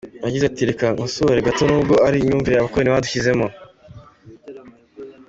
Yagize ati “Reka nkosore gato n’ubwo ari imyumvire Abakoloni badushyizemo.